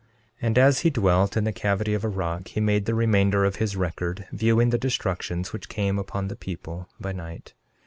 13:14 And as he dwelt in the cavity of a rock he made the remainder of his record, viewing the destructions which came upon the people, by night.